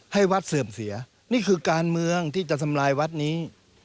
ให้วัดเสื่อมเสียนี่คือการเมืองที่จะทำลายวัดนี้